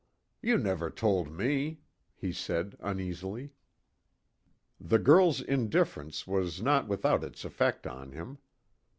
"You never told me," he said uneasily. The girl's indifference was not without its effect on him.